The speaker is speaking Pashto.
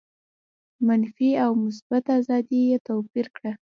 منفي او مثبته آزادي یې توپیر کړه.